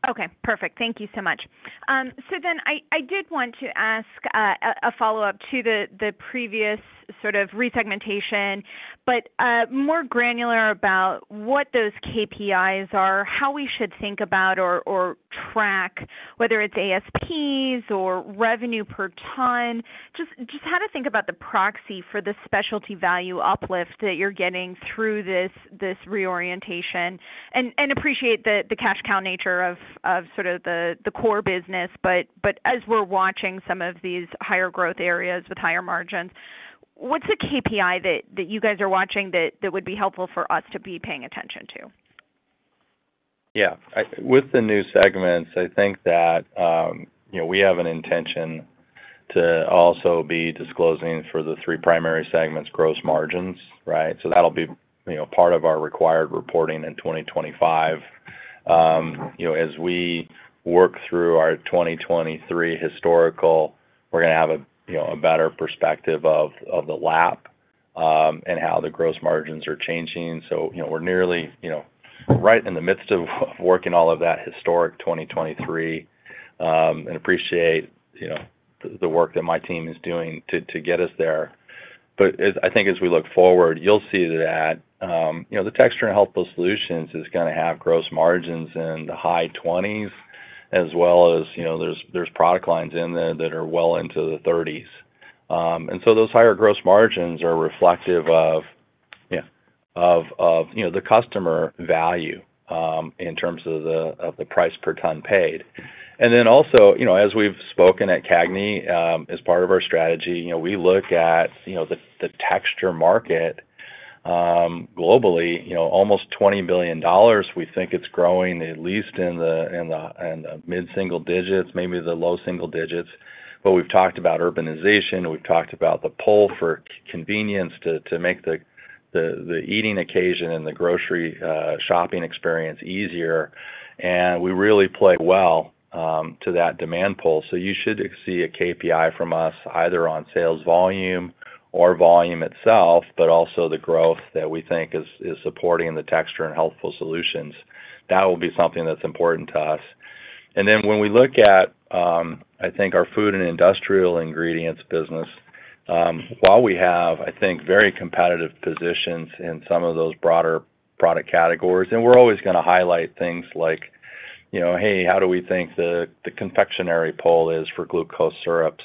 Okay. Perfect. Thank you so much. So then I did want to ask a follow-up to the previous sort of resegmentation, but more granular about what those KPIs are, how we should think about or track, whether it's ASPs or revenue per ton, just how to think about the proxy for the specialty value uplift that you're getting through this reorientation. And appreciate the cash cow nature of sort of the core business. But as we're watching some of these higher growth areas with higher margins, what's a KPI that you guys are watching that would be helpful for us to be paying attention to? Yeah. With the new segments, I think that we have an intention to also be disclosing for the three primary segments, gross margins, right? So that'll be part of our required reporting in 2025. As we work through our 2023 historical, we're going to have a better perspective of the lapped and how the gross margins are changing. So we're nearly right in the midst of working all of that historic 2023 and appreciate the work that my team is doing to get us there. But I think as we look forward, you'll see that the Texture & Healthful Solutions is going to have gross margins in the high 20s as well as there's product lines in there that are well into the 30s. And so those higher gross margins are reflective of the customer value in terms of the price per ton paid. Then also, as we've spoken at CAGNI as part of our strategy, we look at the texture market globally. Almost $20 billion, we think it's growing, at least in the mid-single digits, maybe the low single digits. But we've talked about urbanization. We've talked about the pull for convenience to make the eating occasion and the grocery shopping experience easier. And we really play well to that demand pull. So you should see a KPI from us either on sales volume or volume itself, but also the growth that we think is supporting the Texture & Healthful Solutions. That will be something that's important to us. And then, when we look at, I think, our food and industrial ingredients business, while we have, I think, very competitive positions in some of those broader product categories and we're always going to highlight things like, "Hey, how do we think the confectionery pull is for glucose syrups?"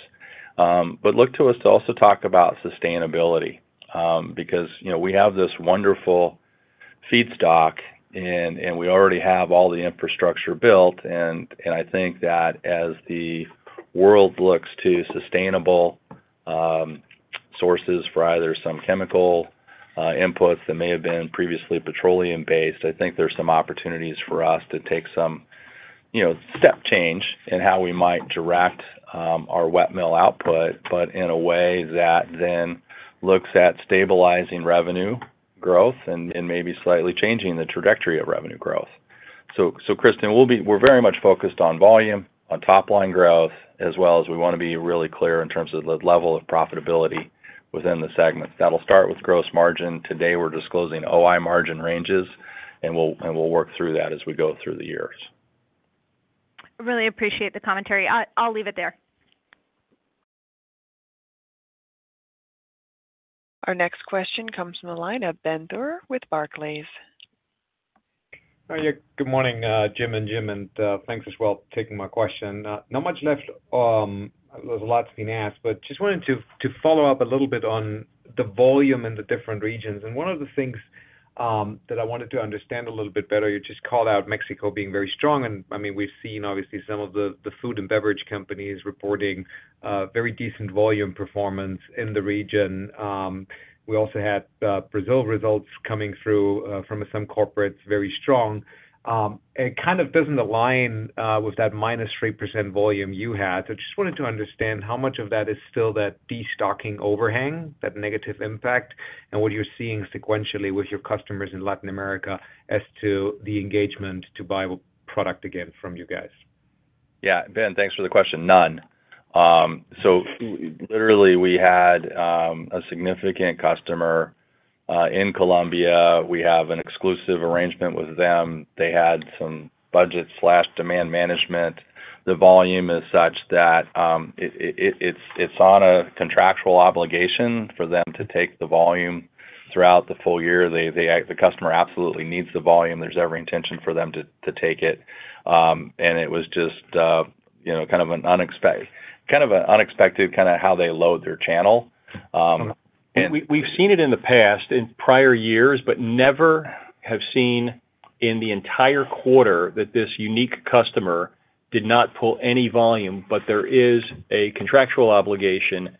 But look to us to also talk about sustainability because we have this wonderful feedstock, and we already have all the infrastructure built. And I think that as the world looks to sustainable sources for either some chemical inputs that may have been previously petroleum-based, I think there's some opportunities for us to take some step change in how we might direct our wet mill output, but in a way that then looks at stabilizing revenue growth and maybe slightly changing the trajectory of revenue growth. So, Kristen, we're very much focused on volume, on top-line growth, as well as we want to be really clear in terms of the level of profitability within the segments. That'll start with gross margin. Today, we're disclosing OI margin ranges, and we'll work through that as we go through the years. Really appreciate the commentary. I'll leave it there. Our next question comes from the line of Ben Theurer with Barclays. Hi. Good morning, Jim and Jim. Thanks as well for taking my question. Not much left. There's a lot to be asked, but just wanted to follow up a little bit on the volume in the different regions. One of the things that I wanted to understand a little bit better, you just called out Mexico being very strong. I mean, we've seen, obviously, some of the food and beverage companies reporting very decent volume performance in the region. We also had Brazil results coming through from some corporates, very strong. It kind of doesn't align with that -3% volume you had. So I just wanted to understand how much of that is still that destocking overhang, that negative impact, and what you're seeing sequentially with your customers in Latin America as to the engagement to buy product again from you guys. Yeah. Ben, thanks for the question. None. So literally, we had a significant customer in Colombia. We have an exclusive arrangement with them. They had some budget and demand management. The volume is such that it's on a contractual obligation for them to take the volume throughout the full year. The customer absolutely needs the volume. There's every intention for them to take it. And it was just kind of an unexpected kind of how they load their channel. We've seen it in the past in prior years, but never have seen in the entire quarter that this unique customer did not pull any volume. But there is a contractual obligation,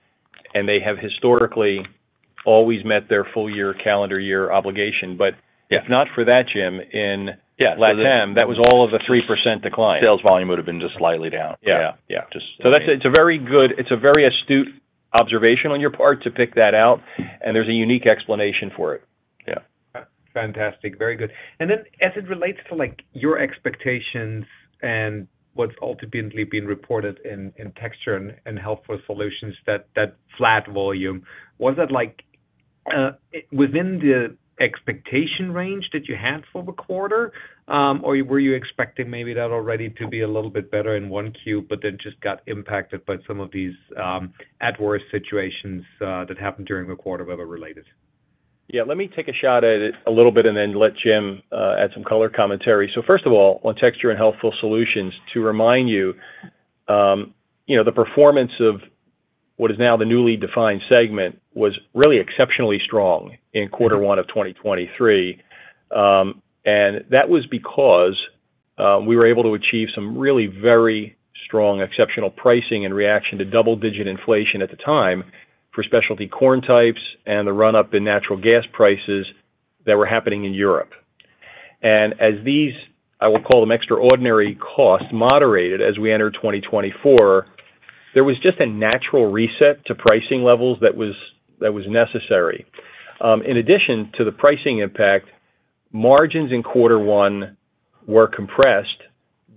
and they have historically always met their full-year calendar year obligation. But if not for that, Jim, in LATAM, that was all of the 3% decline. Sales volume would have been just slightly down. Yeah. Yeah. Just. So it's a very astute observation on your part to pick that out. And there's a unique explanation for it. Yeah. Fantastic. Very good. And then as it relates to your expectations and what's ultimately been reported in Texture & Healthful Solutions, that flat volume, was that within the expectation range that you had for the quarter, or were you expecting maybe that already to be a little bit better in 1Q but then just got impacted by some of these adverse situations that happened during the quarter whatever related? Yeah. Let me take a shot at it a little bit and then let Jim add some color commentary. So first of all, on Texture & Healthful Solutions, to remind you, the performance of what is now the newly defined segment was really exceptionally strong in quarter one of 2023. And that was because we were able to achieve some really very strong exceptional pricing in reaction to double-digit inflation at the time for specialty corn types and the run-up in natural gas prices that were happening in Europe. And as these, I will call them extraordinary costs, moderated as we entered 2024, there was just a natural reset to pricing levels that was necessary. In addition to the pricing impact, margins in quarter one were compressed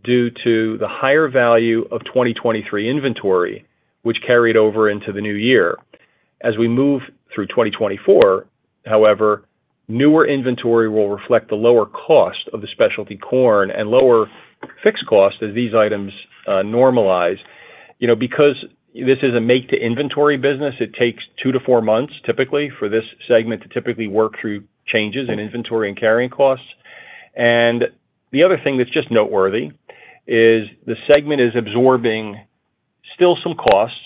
due to the higher value of 2023 inventory, which carried over into the new year. As we move through 2024, however, newer inventory will reflect the lower cost of the specialty corn and lower fixed costs as these items normalize. Because this is a make-to-inventory business, it takes 2-4 months, typically, for this segment to typically work through changes in inventory and carrying costs. The other thing that's just noteworthy is the segment is absorbing still some costs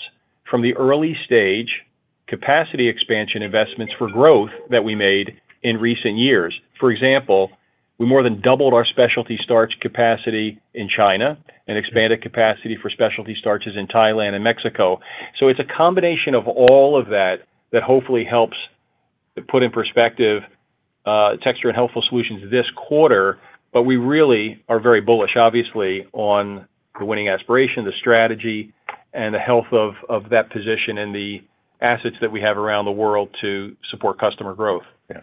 from the early-stage capacity expansion investments for growth that we made in recent years. For example, we more than doubled our specialty starch capacity in China and expanded capacity for specialty starches in Thailand and Mexico. It's a combination of all of that that hopefully helps put in perspective Texture & Healthful Solutions this quarter. But we really are very bullish, obviously, on the winning aspiration, the strategy, and the health of that position and the assets that we have around the world to support customer growth. Yeah.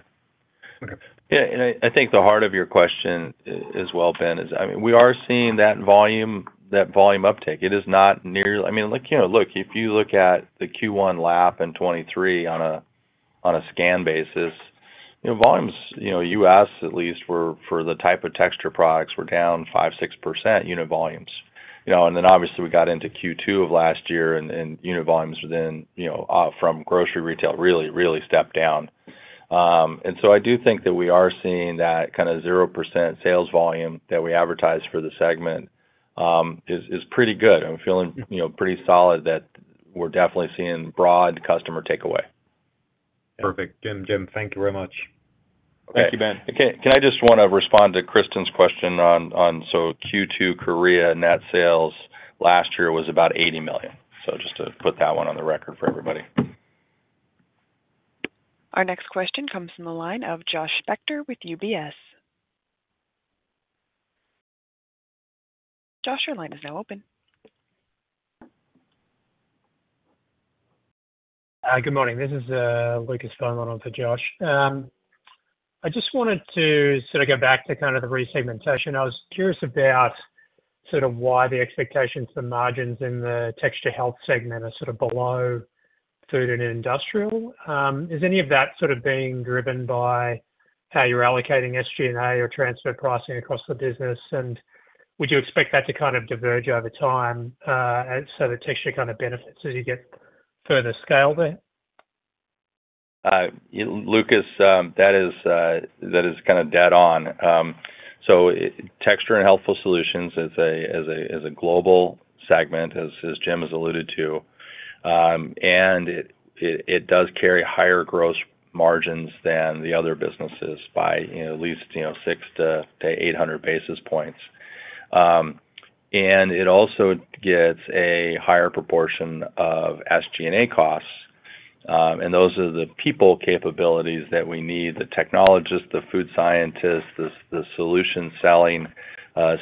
Yeah. And I think the heart of your question as well, Ben, is I mean, we are seeing that volume uptake. It is not near I mean, look, if you look at the Q1 lap in 2023 on a scan basis, volumes, US at least, for the type of texture products, were down 5%-6% unit volumes. And then obviously, we got into Q2 of last year, and unit volumes were then from grocery retail really, really stepped down. And so I do think that we are seeing that kind of 0% sales volume that we advertised for the segment is pretty good. I'm feeling pretty solid that we're definitely seeing broad customer takeaway. Perfect. Jim, Jim, thank you very much. Thank you, Ben. Can I just want to respond to Kristen's question on. So Q2 Korea net sales last year was about $80 million. So just to put that one on the record for everybody. Our next question comes from the line of Josh Spector with UBS. Josh, your line is now open. Good morning. This is Lucas Fenelon for Josh. I just wanted to sort of go back to kind of the resegmentation. I was curious about sort of why the expectations for margins in the Texture Health segment are sort of below food and industrial. Is any of that sort of being driven by how you're allocating SG&A or transfer pricing across the business? And would you expect that to kind of diverge over time so that texture kind of benefits as you get further scale there? Lucas, that is kind of dead on. So Texture & Healthful Solutions as a global segment, as Jim has alluded to, and it does carry higher gross margins than the other businesses by at least 600-800 basis points. And it also gets a higher proportion of SG&A costs. And those are the people capabilities that we need, the technologists, the food scientists, the solution selling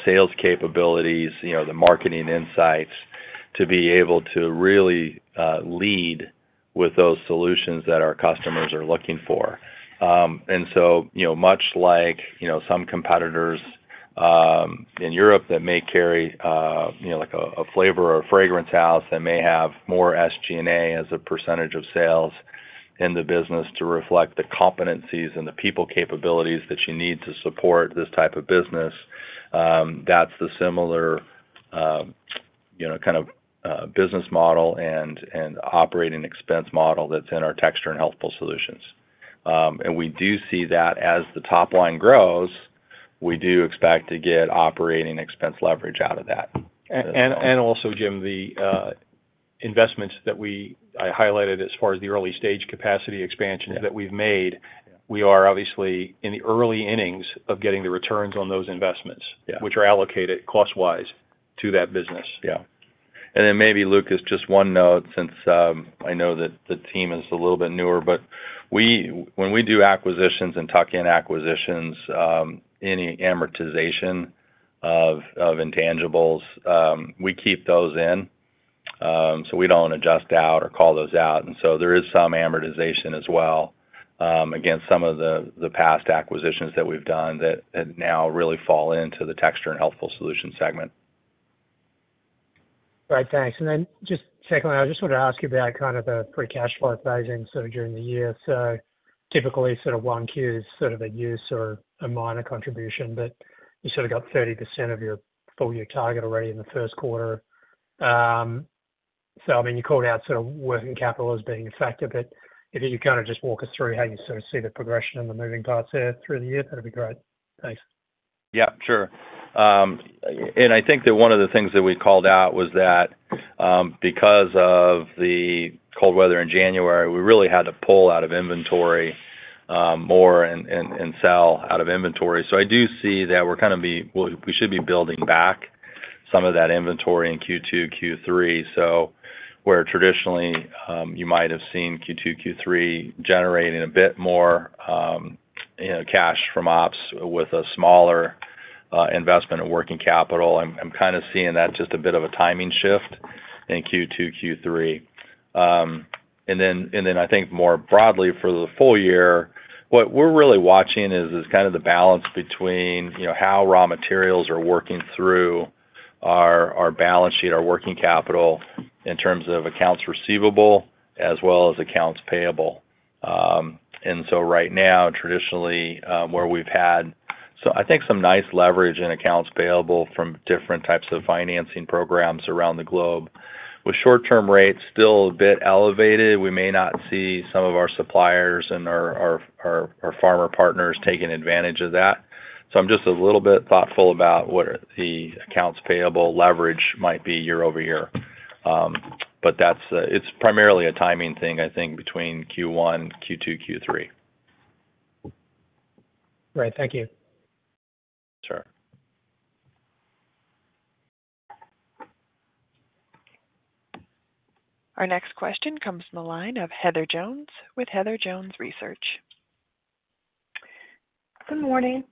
sales capabilities, the marketing insights, to be able to really lead with those solutions that our customers are looking for. And so much like some competitors in Europe that may carry a flavor or fragrance house, they may have more SG&A as a percentage of sales in the business to reflect the competencies and the people capabilities that you need to support this type of business, that's the similar kind of business model and operating expense model that's in our Texture & Healthful Solutions. And we do see that as the top line grows, we do expect to get operating expense leverage out of that. And also, Jim, the investments that I highlighted as far as the early-stage capacity expansions that we've made, we are obviously in the early innings of getting the returns on those investments, which are allocated cost-wise to that business. Yeah. Then maybe, Lucas, just one note since I know that the team is a little bit newer, but when we do acquisitions and tuck in acquisitions, any amortization of intangibles, we keep those in. So we don't adjust out or call those out. And so there is some amortization as well against some of the past acquisitions that we've done that now really fall into the Texture & Healthful Solutions segment. All right. Thanks. And then just secondly, I just wanted to ask you about kind of the free cash flow advising sort of during the year. So typically, sort of 1Q is sort of a use or a minor contribution, but you sort of got 30% of your full-year target already in the first quarter. So I mean, you called out sort of working capital as being effective. But if you could kind of just walk us through how you sort of see the progression and the moving parts there through the year, that'd be great. Thanks. Yeah. Sure. And I think that one of the things that we called out was that because of the cold weather in January, we really had to pull out of inventory more and sell out of inventory. So I do see that we're kind of, we should be building back some of that inventory in Q2, Q3, where traditionally, you might have seen Q2, Q3 generating a bit more cash from ops with a smaller investment of working capital. I'm kind of seeing that just a bit of a timing shift in Q2, Q3. And then I think more broadly, for the full year, what we're really watching is kind of the balance between how raw materials are working through our balance sheet, our working capital, in terms of accounts receivable as well as accounts payable. And so right now, traditionally, where we've had, so I think, some nice leverage in accounts payable from different types of financing programs around the globe. With short-term rates still a bit elevated, we may not see some of our suppliers and our farmer partners taking advantage of that. So I'm just a little bit thoughtful about what the accounts payable leverage might be year over year. But it's primarily a timing thing, I think, between Q1, Q2, Q3. Great. Thank you. Sure. Our next question comes from the line of Heather Jones with Heather Jones Research. Good morning.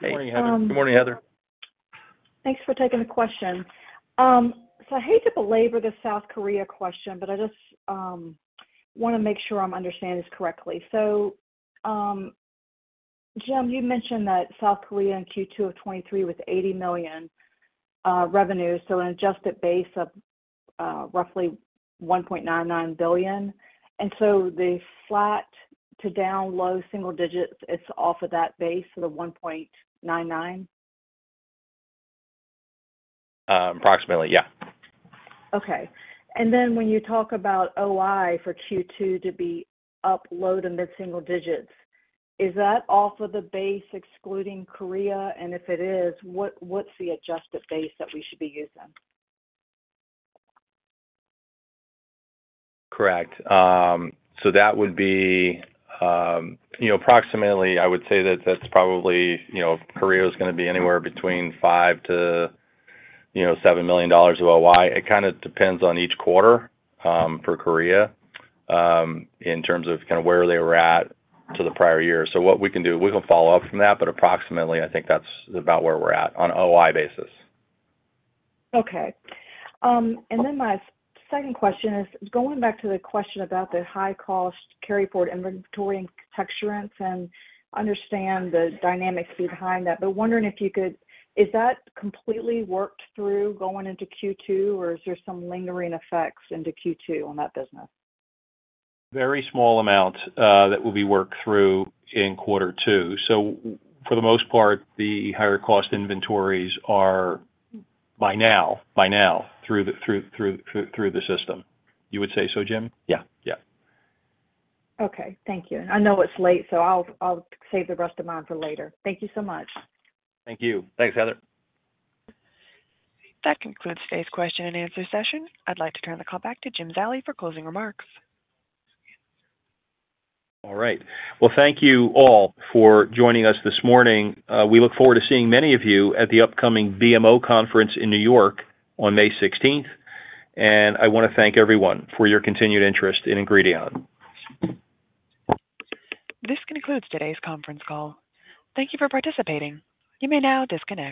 Hey. Good morning, Heather. Good morning, Heather. Thanks for taking the question. So I hate to belabor the South Korea question, but I just want to make sure I'm understanding this correctly. So Jim, you mentioned that South Korea in Q2 of 2023 was $80 million revenue, so an adjusted base of roughly $1.99 billion. And so the flat to down low single digits, it's off of that base of the $1.99? Approximately. Yeah. Okay. And then when you talk about OI for Q2 to be up low to mid-single digits, is that off of the base excluding Korea? And if it is, what's the adjusted base that we should be using? Correct. So that would be approximately, I would say that that's probably Korea is going to be anywhere between $5 million-$7 million of OI. It kind of depends on each quarter for Korea in terms of kind of where they were at to the prior year. So what we can do, we can follow up from that, but approximately, I think that's about where we're at on an OI basis. Okay. Then my second question is going back to the question about the high-cost carry-forward inventory and texturizers and understand the dynamics behind that, but wondering if you could is that completely worked through going into Q2, or is there some lingering effects into Q2 on that business? Very small amount that will be worked through in quarter two. So for the most part, the higher-cost inventories are by now through the system. You would say so, Jim? Yeah. Yeah. Okay. Thank you. And I know it's late, so I'll save the rest of mine for later. Thank you so much. Thank you. Thanks, Heather. That concludes today's question and answer session. I'd like to turn the call back to Jim Zallie for closing remarks. All right. Well, thank you all for joining us this morning. We look forward to seeing many of you at the upcoming BMO conference in New York on May 16th. I want to thank everyone for your continued interest in Ingredion. This concludes today's conference call. Thank you for participating. You may now disconnect.